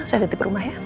saya liat di perumah ya